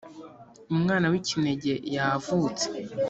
umwana w ikinege yavutse